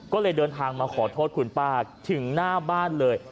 ก็เลยเดินทางมาขอโทษคุณป้าถึงหน้าบ้านเลย